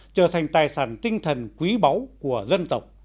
trở thành tài sản tinh thần quý báu của dân tộc